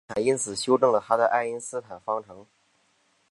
爱因斯坦因此修正了他的爱因斯坦方程。